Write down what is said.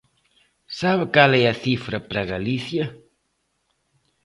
¿Sabe cal é a cifra para Galicia?